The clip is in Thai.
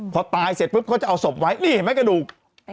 พอตายเสร็จปุ๊บเขาจะเอาศพไว้นี่เห็นไหมกระดูก